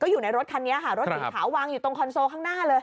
อยู่ในรถคันนี้ค่ะรถสีขาววางอยู่ตรงคอนโซลข้างหน้าเลย